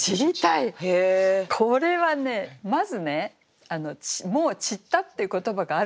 これはねまずねもう「散った」っていう言葉があるでしょう？